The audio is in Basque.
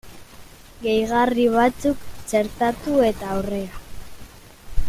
Gehigarri batzuk txertatu eta aurrera!